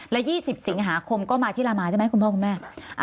และ๒๐สิงหาคมก็มาที่ลามาใช่ไหมคุณพ่อคุณแม่